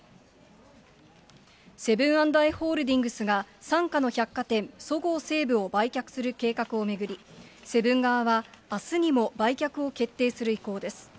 セブン＆アイ・ホールディングスが傘下の百貨店、そごう・西武を売却する計画を巡り、セブン側はあすにも売却を決定する意向です。